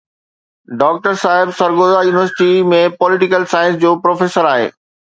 Doctor صاحب Sargodha university ۾ political science جو professor آهي.